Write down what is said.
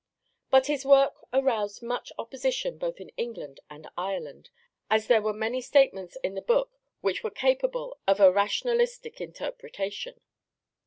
But his work aroused much opposition both in England and Ireland, as there were many statements in the book which were capable of a rationalistic interpretation.